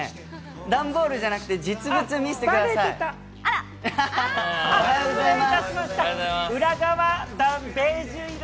段ボールじゃなくて、実物見せてください。